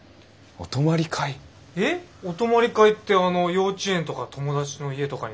えっお泊まり会ってあの幼稚園とか友達の家とかに泊まるやつ？